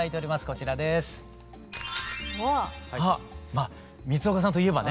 まあ三丘さんといえばね。